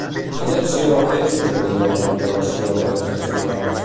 Quina acció va fer Susarió en relació amb aquests festivals?